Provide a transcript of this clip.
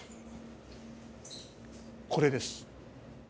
これです。